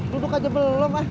duduk aja belum ah